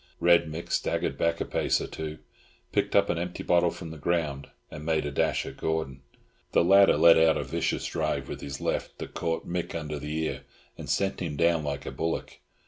Red Mick staggered back a pace or two, picked up an empty bottle from the ground, and made a dash at Gordon. The latter let out a vicious drive with his left that caught Mick under the ear and sent him down like a bullock.